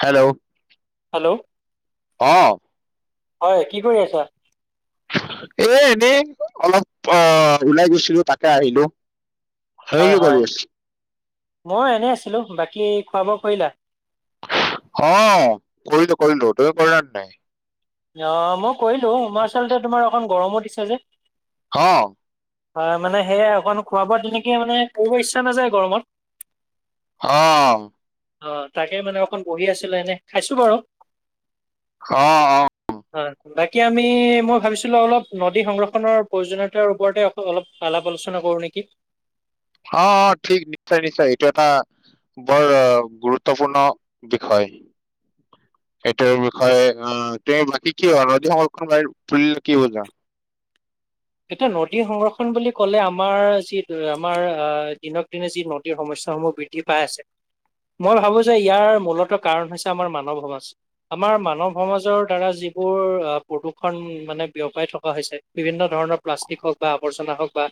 Hello hello অহঁ। হয়, কি কৰি আছা? এ এনেই অলপ অ ওলাই গৈছিলো তাকে আহিলো। সেই হয় কি কৰি হয় আছ মই এনেই আছিলোঁ। বাকী খোৱা বোৱা কৰিলা? অ, কৰিলো-কৰিলো, তুমি কৰিলা নাই? অ মই কৰিলো হোমাৰচলতে তোমাৰ অকণ গৰমো দিছে যে। হঁ। হয় মানে সেয়াই অকণ খোৱা বোৱা তেনেকে মানে কৰিব ইচ্ছা নাযায় গৰমত। অ অ, তাকে মানে অকণ বহি আছিলো এনে, খাইছো বাৰু অ-অ অ বাকী আমি, মই ভাবিছিলো অলপ নদী সংৰক্ষনৰ প্ৰয়োজনীয়তাৰ ওপৰতে অলপ আলাপ-আলোচনা কৰো নেকি অহ- ঠিক নিশ্চয় নিশ্চয় এইটো এটা বৰ গুৰুত্বপূৰ্ণ বিষয়। [inaudible] সেইটোৰ বিষয়ে আহ তু বাকী কি হয় নদী সংৰক্ষনৰ বুলিলে কি বুজা? এতিয়া নদী সংৰক্ষন বুলি ক'লে, আমাৰ যি আমাৰ আহ দিনক-দিনে যি নদীৰ সমস্যা কৰ্ম বৃদ্ধি পাই আছে মই ভাবোঁ যে ইয়াৰ মূলত কাৰণ হৈছে আমাৰ মানৱ সমাজ, আমাৰ মানৱ সমাজৰ দ্বাৰা যি বোৰ প্ৰদূৰ্ষণ মানে বিয়পাই থকা হৈছে বিভিন্ন ধৰণৰ প্লাষ্টিক হওক বা আৱৰ্জনা হওক বা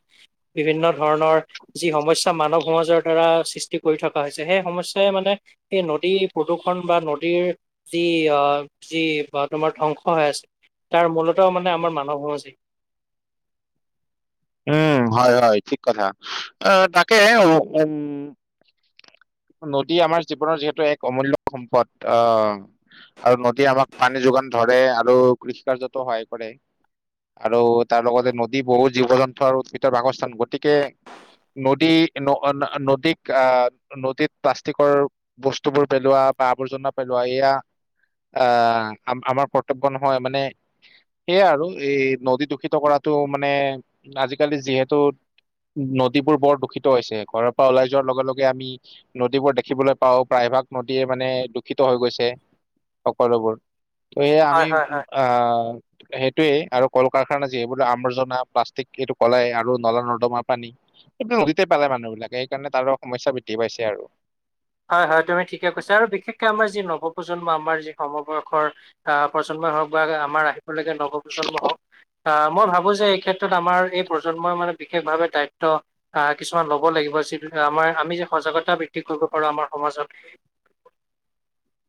বিভিন্ন ধৰণৰ যি সমস্যা মানৱ সমাজৰ দ্বাৰা সৃষ্টি কৰি থকা হৈছে সেই সমস্যাই মানে এই নদী প্ৰদূৰ্ষণ বা নদীৰ যি অ যি তোমাৰ ধ্বংস হৈ আছে তাৰ মূলতেও মানে আমাৰ মানৱসমজী উম, হয়-হয়, ঠিক কথা, আহ, তাকে উম [inaudible] নদী আমাৰ জীৱনৰ যিহেতু এক অমূল্য সম্পদ আহ আৰু নদীয়ে আমাক পানী যোগান ধ ধৰে আৰু কৃষি কাৰতো সহায় কৰে আৰু তাৰ লগতে নদী বহুত জীৱ -জন্তু আৰু উৎকিতৰ বাসস্থান গতিকে নদী নদীক আহ নদীত প্লাষ্টিকৰ বস্তুবোৰ পেলোৱা বা আৱৰ্জনা পেলোৱা এয়া আহ আমাৰ কৰ্তব্য নহয় মানে সেয়া আৰু এই নদী দূষিত কৰাতটো মানে আজিকালি যিহেতু নদীবোৰ বৰ দূষিত হৈছে ঘৰৰ পৰা ওলাই যোৱাৰ লগে লগে আমি নদীবোৰ দেখিবলৈ পাও প্ৰায় বিভাগ নদীয়ে মানে দূষিত হৈ গৈছে সকলোবোৰ। ত এইয়া হয় আমি হয় হয়। অ সেইটোৱেই আৰু কল কাৰখানা যিবো আমৰ্জনা প্লাষ্টিক এইটো কলাই আৰু নলা- নৰ্দমা পানী সেইটো নদীতে পেলাই মানুহ বিলাকে, সেইকাৰণে তাৰো সমস্যা বৃদ্ধি পাইছে আৰু হয় প্ৰজন্ম আমাৰ যি সমবয়সৰ আহ প্ৰজন্মই হওঁক বা আমাৰ আহি তেওঁলোকে নৱপ্ৰজন্ম হওক অ মই ভাবো যে এই ক্ষেত্ৰত আমাৰ এই প্ৰজন্মই মানে বিশেষভাৱে দায়িত্ব আহ কিছুমান ল'ব লাগিব আম আমি যে সজাগতা বৃদ্ধি কৰিব পাৰোঁ আমাৰ সমাজত।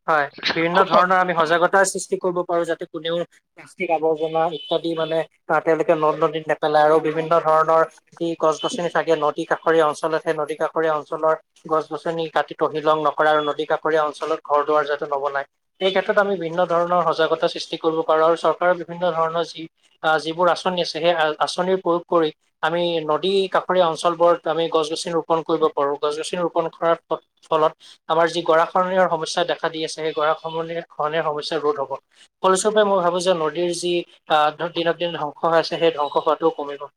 হয়, বিভিন্ন ধৰণৰ আমি সজাগতা সৃষ্টি কৰিব আৰু যাতে কোনেও প্লাষ্টিক আৱৰ্জনা ইত্যাদি মানে আহ তেওঁলোকে নদ-নদীত নেপেলাই, আৰু বিভিন্ন ধৰণৰ ধৰণৰ যি গছ- গছনি থাকে নদী কাষৰীয়া অঞ্চলত সে নদী কাষৰীয়া অঞ্চলৰ গছ- গছনি কাটি তহিলং নকৰে আৰু নদী কাষৰীয়া অঞ্চলত ঘৰ দুৱাৰ যতে নবনাই এই ক্ষেত্ৰ আমিভিন্ন ধৰণৰ সজাগত [unintelligible] সৃষ্টি কৰিব পাৰো আৰু চৰকাৰৰ বিভিন্ন ধৰণৰ যি, আ যিবোৰ আঁচনি আছে সেই আ আঁচনিৰ প্ৰয়োগ কৰি আমি নদী কাষৰীয়া অঞ্চল বোৰত আমি গছ- গছনি ৰোপন কৰিব পাৰোঁ গছ-গছনি ৰোপন কৰাৰ ফলত আমাৰ যি গৰাখৰনিয়াৰ সমস্যা দেখা দি আছে সেই গৰাখমনি খহনিয়াৰ সমস্যা ৰোধ হ'ব। ফলস্বৰূপে মই ভাবোঁ যে নদীৰ যি আ‌ ধৰ দিনক দিনতে ধ্বংস হৈ আছে সেই ধ্বংস হোৱাটোও কমিব। [inaudible]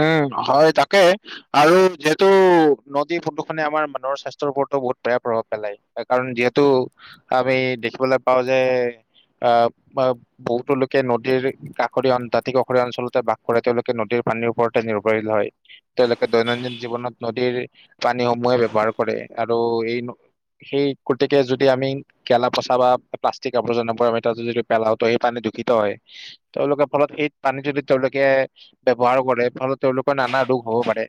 উম হয়, তাকে আৰু যিহেতু নদী প্ৰদূষণে খনে আমাৰ মানুহৰ স্বাস্থ্যৰ ওপৰত ৰতো বহুত বেয়া প্ৰভাৱ পেলাই সেইকাৰণে যিহেতু আমি দেখিবলৈ পাওঁ যে আ বা বহুতো লোকে নদীৰ কাষৰীয়া অন দাঁতি কাষৰীয়া অঞ্চলতে বাস কৰে তেওঁলোকে নদীৰ পানীৰ ওপৰতে নিৰ্ভৰৰীল হয়, তেওঁলোকে দৈনন্দিন জীৱনত নদীৰ পানীসমূহে ব্যৱহাৰ কৰে। আৰু এই ন সেই, গতিকে যদি আমি গেলা-পচা বা প্লাষ্টিক আৱৰ্জনা পৰা আমি তাত যদি পেলাওঁ ত সেই পানীত দূখিত হয়, তেওঁলোকে ফলত এইত পানী যদি তেওঁলোকে ব্যৱহাৰ কৰে, ফলত তেওঁলোকৰ নানা ৰোগ হ'ব পাৰে।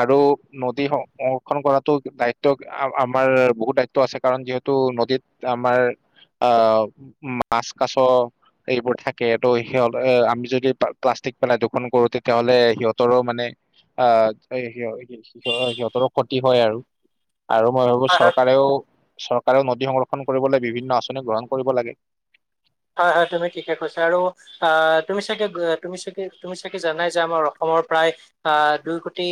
আৰু নদী সং সংৰক্ষন কৰাতো দায়িত্ব আ - আমাৰ বহুত দায়িত্ব আছে কাৰণ যিহেতু টো নদীত আমাৰ আ মাছ কাছ এইবোৰ থাকে ত' সিহঁত এ আমি যদি পা - প্লাষ্টিক পেলাই দিও ফোন কৰোঁ, তেতিয়াহলে সিহঁতৰো মানে আ, [unintelligible] সিহঁতৰো ক্ষতি হয় আৰু আৰু মই ভাবো চৰকাৰেও চৰ কাৰণ নদী সংৰক্ষণ কৰিবলৈ বিভিন্ন আঁচনি গ্ৰহণ কৰিব লাগে। হয় হয়, তুমি ঠিকে কৈছা আৰু অ' তুমি চাগে গ তুমি চাগে তুমি চাগে জানাই যে আমাৰ অসম মৰ‌ প্ৰায় আ দুই কোটি,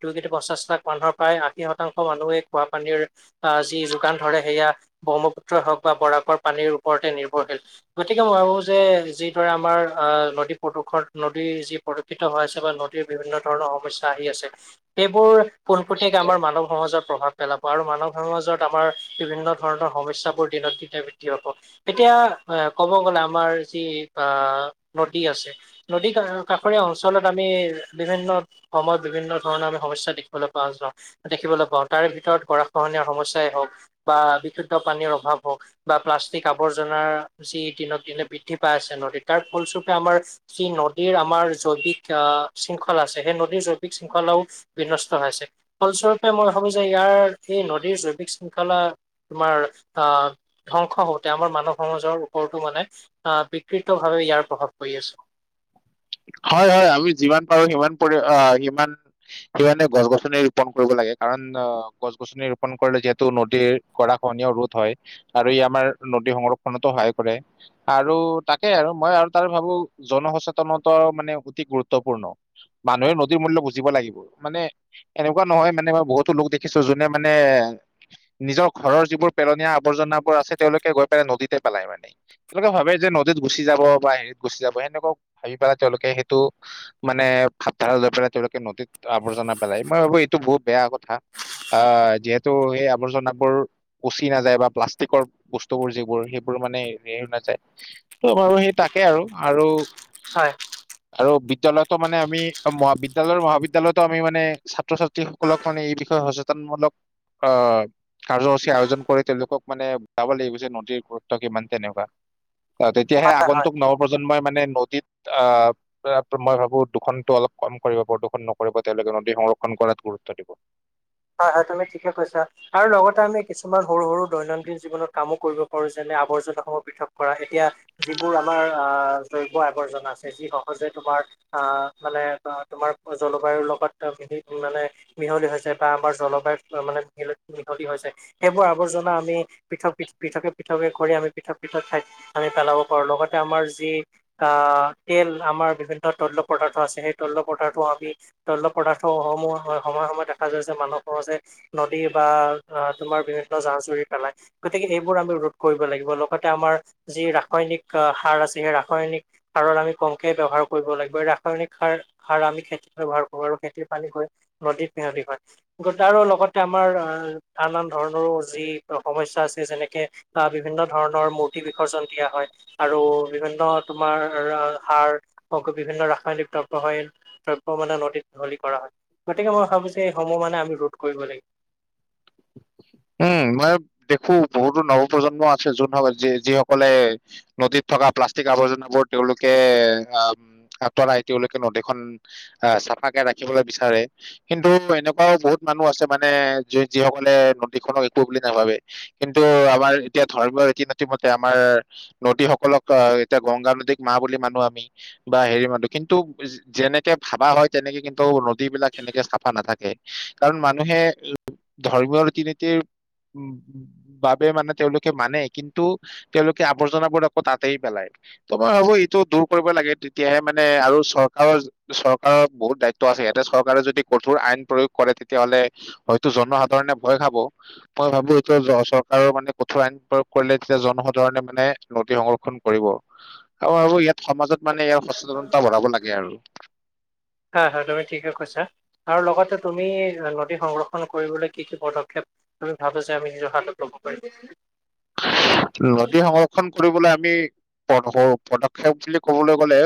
দুই কোটি পঞ্চাছ লাখ মানুহৰ প্ৰায় আশী শতাংশ মানুহে খোৱা পানীৰ আ যি যোগান ধৰে, সেয়া ব্ৰহ্মপুত্ৰই হওক বা বৰাকৰ পানীৰ ওপৰতে নিৰ্ভৰশীল। গতিকে মই ভাবোঁ যে যিদৰে আমাৰ অ নদী প্ৰদূষণ নদী যি প্ৰদূষিত হৈ আছে বা ন বিভিন্ন ধৰণৰ সমস্যা আহি আছে সেইবোৰ পোনপতিয়াকে আমাৰ মানৱ সমাজত প্ৰভাৱ পেলাব, আৰু মানৱ সমাজত আমাৰ বিভিন্ন ধৰণৰ সমস্যাবোৰ দিনক-দিনে বৃদ্ধি হব। তেতিয়া [unintelligible] ক'ব গ'লে আমাৰ যি আ নদী আছে নদী কা - কাষৰীয়া অঞ্চলত আমি বিভিন্ন সময়ত বিভিন্ন ধৰণৰ আমি সমস্যা দেখিবলৈ পা যাওঁ দেখিবলৈ পাওঁ তাৰে ভিতৰত গৰা খহনীয়া সমস্যাই হওক বা বিশুদ্ধ পানীৰ অভাৱ হওক বা প্লাষ্টিক আৱৰ্জনাৰ যি দিনক দিনে বৃদ্ধি পাই আছে নদীত তাৰ ফলস্বৰূপে আমাৰ যি নদীৰ আমাৰ জৈৱিক আ শৃংখল আছে, সেই নদীৰ জৈৱিক শৃংখলাও বিনষ্ট হৈছে, ফলস্বৰূপে মই ভাবো যে ইয়াৰ এই নদীৰ জৈৱিক শৃংখলা তোমাৰ আ ধ্বংস হওঁতে আমাৰ মানৱ সমাজৰ [unintelligible] মানে আ বিকৃতভাৱে ইয়াৰ প্ৰভাৱ পৰি আছে। হয় হয়। আমি যিমান পাৰোঁ সিমান পৰি অ সিমান - সিমানে গছ -গছনি ৰোপন কৰিব লাগে কাৰণ অ গছ গছনি ৰোপন কৰিলে যিহেতু নদীৰ গৰাখহনীয়া ৰোধ হয় আৰু ই আমাৰ নদী সংৰক্ষণতো সহায় কৰে আৰু তাকে আৰু মই আৰু তাৰ ভাবোঁ জনসচে তনতো মানে অতি গুৰুত্বপূৰ্ণ, মানুহে নদীৰ মূল্য বুজিব লাগিব, মানে এনেকুৱা ন হয় মানে মই বহুতো লোক দেখিছোঁ যোনে মানে নিজৰ ঘৰৰ যিবোৰ পেলনীয়া আৱৰ্জনাবোৰ আছে, তেওঁলোকে গৈ পেলাই নদীতে পেলাই মানে, তেওঁলোকে ভাবে যে নদীত গুচি যাব বা হেৰিত গুচি যাব সেনেকুৱা ভাবি পেলাই তেওঁলোকে সেইটো, মানে ভাৱধাৰা লৈ পেলাই তেওঁলোকে নদীত আৱৰ্জনা পেলাই, মই ভাবো এইটো বহুত বেয়া কথা। আ, যিহেতু সেই আৱৰ্জনাবোৰ পচি নাযায়, বা প্লাষ্টিকৰ বস্তুবোৰ যিবোৰ সেইবোৰ মানে হেৰি নাযায় ত মই ভাবো সেই তাকে আৰু, আৰু হয়। আৰু বিদ্যালয়তো মানে আমি ম বিদ্যালয়ৰ মহাবিদ্যালয়তো আমি মানে ছাত্ৰ- ছাত্ৰীসকলক মানে এই বিষয়ে সচেতন মূলক অ, কাৰ্যসূচী আয়োজন কৰি তেওঁলোকক মানে বুজাব লাগিব যে নদীৰ গুৰুত্ব কিমান কেনেকুৱা। অ তেতিয়াহে হয় হয়। আগন্তুক নৱপ্ৰজন্মই মানে ন আহ মই ভাবো দূষণটো অলপ কম কৰিব প্ৰদূষণ নকৰিব তেওঁলোকে নদী সংৰক্ষণ কৰাতো গুৰুত্ব দিব। হয় হয় তুমি ঠিকে কৈছা আৰু লগতে আমি কিছুমান সৰু সৰু দৈনন্দিন জীৱনত কামো কৰিব পাৰো যেনে সেই আৱৰ্জনসমূহ পৃথক কৰা, এতিয়া যিবোৰ আমাৰ আহ জৈৱ-আৱৰ্জনা আছে, যি সহজে তোমাৰ হয়, অ, মানে তোমাৰ জলবায়ুৰ লগত মিলি মানে মিহলি হৈছে বা আমাৰ জলবায়ুত মানে মহ মিহলি হৈছে, সেইবোৰ আৱৰ্জনা আমি পৃথক-পৃথকে-পৃথক ঘ আমি পৃথক পৃথক ঠাইত আমি পেলাব পাৰোঁ লগতে আমাৰ যি আহ তেল আমাৰ বিভিন্ন তৈল পদাৰ্থ আছে সেই তৈল পদাৰ্থও আমি তৈল পদাৰ্থ সমূহ সময়ে সময়ে স মানৱসমাজে নদী বা অ তোমাৰ বিভিন্ন জান-জুৰি পেলাই গতিকে এইবোৰ আমি ৰোধ কৰিব লাগিব লগতে আমাৰ যি ৰাসায়নিক সাৰ আছে সেই ৰাসায়নিক সাৰৰ আমি কমকে ব্যৱহাৰ কৰিব লাগিব, ৰাসায়নিক সাৰ-সাৰ আমি খেতিত ব্যৱহাৰ কৰো, আৰু খেতিৰ পানী গৈ নদীত সিহঁতি হয়, তাৰো লগতে আমাৰ আন-আন ধৰণৰো যি সমস্যা আছে, যেনেকে বিভিন্ন ধৰণৰ মূৰ্তি বিসৰ্জন দিয়া হয় আৰু বিভিন্ন তোমাৰ আৰু বিভিন্ন ৰাসায়নিক দ্ৰব্যসন দ্ৰব্ মানে নদীত মহলি কৰা হয় গতিকে মই ভাবিছোঁ সেই সমূহ মানে আমি ৰোধ কৰিব লাগিব। উম! মই দেখো বহুতো নৱপ্ৰজন্ম আছে যোন য যিসকলে নদীত থকা পালাষ্টিক আবৰ্জনা বোৰ তেওঁলোকে আঁতৰাই তেওঁলোকে নদী খন থাকে ৰাখিবলৈ বিচাৰে কিন্তু এনেকুৱাও বহুত মানুহ আছে মানে। যিসকলে নদীখনক একো বুলি নাভাবে, কিন্তু আমাৰ এতিয়া ধৰ্মীয় ৰীতি-নীতিমতে আমাৰ নদী সকলক আহ এতিয়া গংগা নদীক মা বুলি মানো আমি বা হেৰি মানু কিন্তু যে। তেনেকে ভাবা হয় তেনেকে কিন্তু নদী বিলাক সেনেকে চাফা নাথাকে কাৰণ মানুহে। ধৰ্মীয় ৰীতি নীতিৰ। উম, বাবে মানে তেওঁলোকে মানে, কিন্তু তেওঁলোকে আৱৰ্জনাবোৰ আকৌ তাতেই পেলায়। ত মই ভাবো এইটো দূৰ কৰিব লাগে তেতিয়াহে মানে আৰু চৰকাৰৰ চৰকাৰৰ বহুত দায়িত্ব আছে। ইয়াতে চৰকাৰে যদি কঠোৰ আইন প্ৰয়োগ কৰে তেতিয়াহ'লে জনসাধাৰণে ভয় খাব মই ভাবো এইটো চৰকাৰৰ মানে কঠোৰ আইন প্ৰয়োগ কৰিলে তেতিয়া জনসাধাৰণ মানে নদী সংৰক্ষণ কৰিব আৰু আৰু ইয়াত সমাজত। মানে ইয়াৰ সচেতনতা বঢ়াব লাগে আৰু হয় হয় তুমি ঠিকে কৈছা। আৰু লগতে তুমি নদী সংৰক্ষণ কৰিবলৈ কি কি পদক্ষেপ, তুমি ভাবিছা আমি নিজৰ হাতত ল'ব [unintelligible] নদী সংৰক্ষণ কৰিবলৈ আমি- সৰু পদক্ষেপ বুলি কবলৈ গলে,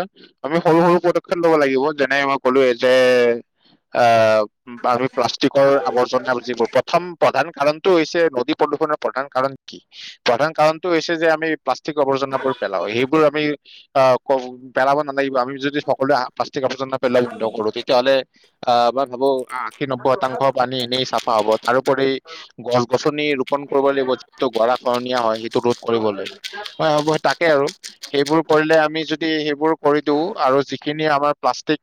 আমি সৰু সৰু পদক্ষেপ লব লাগিব যেনে মই ক'লো এ। অ। বা আমি প্লাষ্টিকৰ আৱৰ্জনা যিবোৰ, প্ৰথম প্ৰধান কাৰণটো হৈছে নদী প্ৰদূষণৰ প্ৰধান কাৰণ কি? প্ৰধান কাৰণতটো হৈছে যে আমি প্লাষ্টিক আৱৰ্জনাবোৰ পেলাও সেইবোৰ আমি অ ক পেলাব নালাগে। আমি যদি সকলোৱে প্ৰালাস্তিক আবৰ্জনা নেপেলালো হ'লে তেতিয়াহ'লে অ। ভাবো আশী, নব্বৈ শতাংশ পানী এনেই চাফা হব, তাৰোপৰি গছ-গছনি ৰোপন কৰিব লাগিব। [unintelligible] কৰণীয়া হয়, সেইটো ৰোধ কৰিবলৈ, মই ভাবো তাকে আৰু সেইবোৰ কৰিলে আমি যদি সেইবোৰ কৰি দিও আৰু যিখিনি আমাৰ। প্লাষ্টিক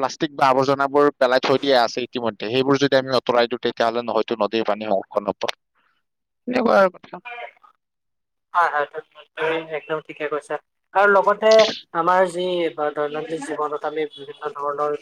প্লাষ্টিক বা আৱৰ্জনাবোৰ পেলাই থৈ দিয়া আছে ইতিমধ্যে সেইবোৰ যদি আমি আঁতৰাই টুটিলে ন হয়তো নদীৰ পানী সংক্ষণ। [inaudible] এনেকোৱা আৰু কথা হয়-হয়, একদম ঠিকে কৈছা আৰু লগতে আমাৰ যি দৈনন্দিন জীৱনত আমি বিভিন্ন ধৰণৰ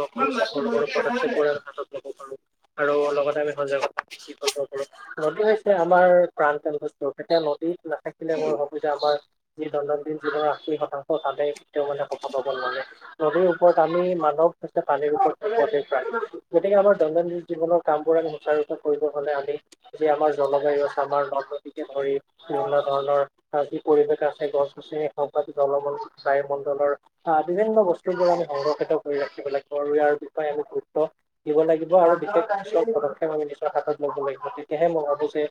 কক্ষপথ হাতত লব পাৰো। আৰু লগতে আমি সজাগতা বৃদ্ধি কৰিব পাৰো নদী হৈছে আমাৰ প্ৰাণ [unintelligible] [unintelligible] বোলে সুবিধা হয়, আমাৰ যি দৈনন্দিন জীৱনৰ আশী শতাংশ মানে কেতিয়াও মানে শকত হব নোৱাৰে নদীৰ ওপৰত আমি মানৱ হৈছে পানীৰ ওপৰত প্ৰৱেশ পায় গতিকে আমাৰ দৈনন্দিন জীৱনৰ কামবোৰত। সুচাৰুচা কৰিব হলে আমি যেতিয়া আমাৰ জলবায়ু আছে আমাৰ নদ নদীকে ধৰি। বিভিন্ন ধৰণৰ যি পৰিৱেশ আছে গছ-গছনি হক বা জলমণ্ডল, বায়ুমণ্ডলৰ- অ, বিভিন্ন বস্তু বোৰ আমি সংৰক্ষিত কৰি ৰাখিব লাগিব আৰু ইয়াৰ বিষয়ে আমি গুৰুত্ব দিব লাগিব আৰু বি- সুচিয়াৰ পদক্ষেপ আমি নিজৰ হাতত ল'ব লাগিব তেতিয়াহে মই ভাবো যে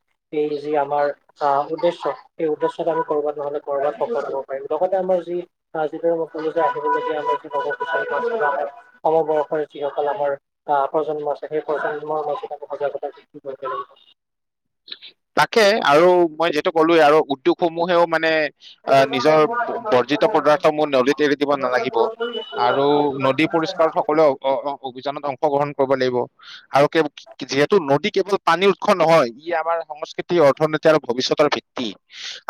এই যি আমাৰ। অ উদ্দেশ্য সেই উদ্দেশ্য আমি ক'ৰবাত নহ'লে কৰ'ৰবাত সফল হব পাৰিম লগতে আমাৰ যি, আহ যিটো। আহিবলগীয়া আমাৰ যুব সমবৰ্ষৰ যিসকল আমাৰ অহা প্ৰজন্ম [unintelligible] তাকে আৰু মই যিহেটো ক'লোৱে আৰু উদ্যোগ সমূহেও মানে আহ, নিজৰ বৰ্জিত পদাৰ্থসমূহ নদীত এৰি দিব নালাগিব আৰু লাগিব নদী পৰিষ্কাৰত সকলোৱে অভিযানত অংশ। অংশগ্ৰহণ কৰিব লাগিব আৰু কে যিহেতু নদী কেৱল পানীৰ উৎস নহয়। ই আমাৰ সংস্কৃতি অৰ্থনীতি আৰু ভৱিষ্যতৰ ভিত্তি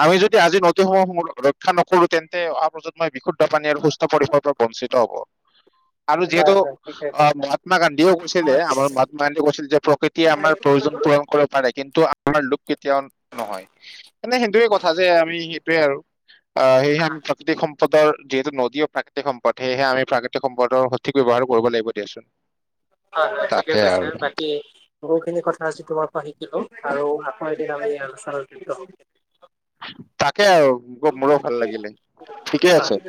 আমি যদি আজি নদীসমূহ ৰক্ষা নকৰোঁ। কৰো তেন্তে অহা প্ৰজন্মই বিশুদ্ধ পানী আৰু সুস্থ পৰিসৰ পৰা বঞ্চিত হ'ব। আৰু হয় যিহেতু হয় ঠিকে অ কৈছা। মহাত্মা গান্ধীয়েও কৈছিলে আমাৰ মহাত্মা গান্ধীয়েও কৈছিলে যে প্ৰকৃতিয়ে আমাৰ প্ৰয়োজন পূৰণ কৰিব পাৰে। কিন্তু আমাৰ লোক কেতিয়াও নহয় মানে সেইটোয়ে কথা যে আমি সেইটোয়ে আৰু। অ, সেইহে আমি প্ৰাকৃতিক সম্পদৰ যিহেতু নদী আৰু প্ৰাকৃতিক সম্পদ, সেয়েহে আমি প্ৰাকৃতিক সম্পদৰ সঠিকৈ ব্যৱহাৰ কৰিব লাগিব, দিয়াচোন হয় হয় ঠিকে তাকে কৈছে আৰু বাকী বহুখিনি কথা আজি তোমাৰ পৰা শিকিলো। আৰু আকৌ এদিন আমি আলোচনাত মিলিত হ'ম। তাক- কে আও ম মোৰো ভাল লাগিলে, ঠিক ঠিকে আছে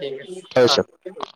হয়। তাৰপিছত